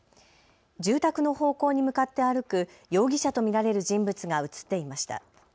住宅の方向に向かって歩く容疑者と見られる人物が写っていました。